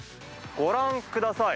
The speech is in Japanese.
ご覧ください。